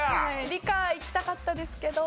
理科いきたかったですけど。